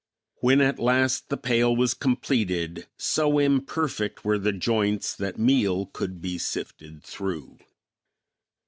When at last the pail was completed so imperfect were the joints that meal could be sifted through.